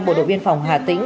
bộ đội biên phòng hà tĩnh